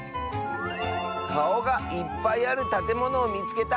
「かおがいっぱいあるたてものをみつけた！」。